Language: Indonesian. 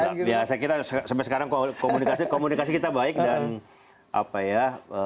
ya biasa kita sampai sekarang komunikasi kita baik dan apa ya